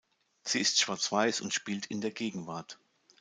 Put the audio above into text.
Sie ist schwarz-weiß und spielt in der Gegenwart.